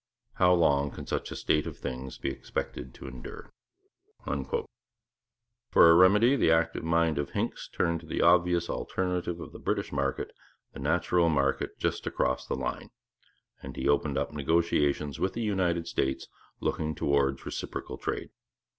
How long can such a state of things be expected to endure?' For a remedy the active mind of Hincks turned to the obvious alternative of the British market, the natural market just across the line; and he opened up negotiations with the United States looking towards reciprocal trade.